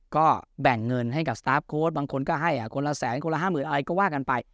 ก็แบ่งเงินให้กับบางคนก็ให้อ่ะคนละแสนคนละห้าหมื่นอะไรก็ว่ากันไป